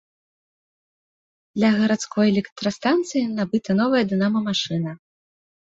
Для гарадской электрастанцыі набыта новая дынама-машына.